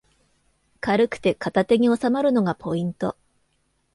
軽くて片手におさまるのがポイント